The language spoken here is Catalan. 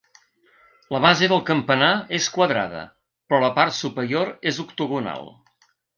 La base del campanar és quadrada, però la part superior és octogonal.